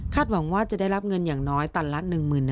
คาดหวังว่าจะได้รับเงินอย่างน้อยตลาด